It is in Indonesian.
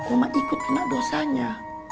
oma ikut kena dosanya